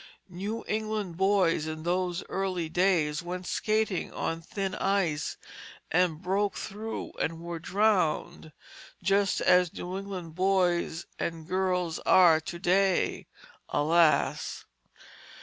[Illustration: Old Tin Toy] New England boys in those early days went skating on thin ice and broke through and were drowned, just as New England boys and girls are to day, alas!